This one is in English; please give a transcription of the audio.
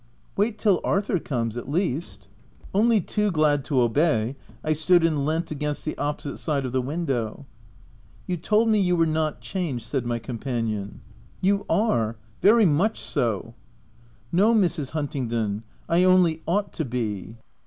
'*" Wait till Arthur comes, at least.'' Only too glad to obey, I stood and leant against the opposite side of the window. " You told me you were not changed, '' said my companion : "you are — very much so." " No, Mrs. Huntingdon, I only ought to be."